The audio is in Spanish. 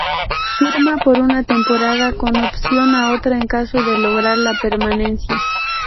Firma por una temporada con opción a otra en caso de lograr la permanencia.